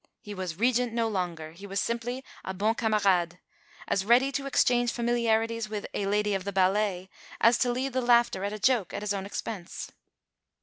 He was Regent no longer; he was simply a bon camarade, as ready to exchange familiarities with a "lady of the ballet" as to lead the laughter at a joke at his own expense.